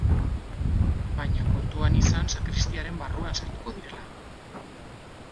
Baina kontuan izan sakristiaren barruan sartuko direla.